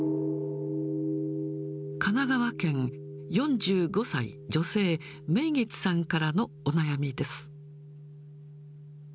神奈川県、４５歳、女性、めいげつさんからのお悩みです。